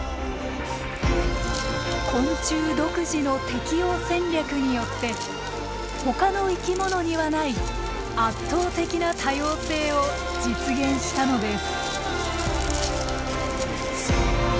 昆虫独自の適応戦略によってほかの生き物にはない圧倒的な多様性を実現したのです。